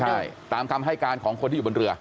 ใช่ตามคำให้การของคนที่อยู่บนเรือ